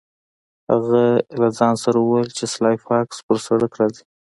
هغه له ځان سره وویل چې سلای فاکس پر سړک راځي